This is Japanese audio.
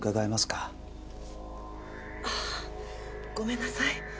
ああごめんなさい。